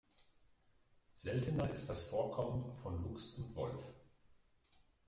Seltener ist das Vorkommen von Luchs und Wolf.